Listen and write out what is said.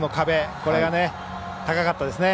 これが、高かったですね。